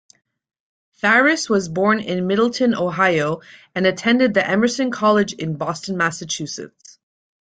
Pharris was born in Middletown, Ohio and attended the Emerson College in Boston, Massachusetts.